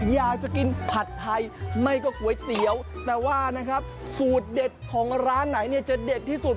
อยากจะกินผัดไทยไม่ก็ก๋วยเตี๋ยวแต่ว่านะครับสูตรเด็ดของร้านไหนเนี่ยจะเด็ดที่สุด